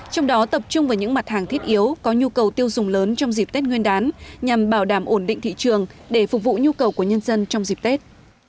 trong đó tập trung vào những mặt hàng thiết yếu có nhu cầu tiêu dùng lớn trong dịp tết nguyên đán nhằm bảo đảm ổn định thị trường để phục vụ nhu cầu của nhân dân trong dịp tết